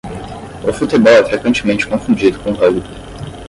O futebol é frequentemente confundido com o rugby.